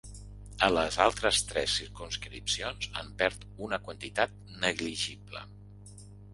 A les altres tres circumscripcions, en perd una quantitat negligible.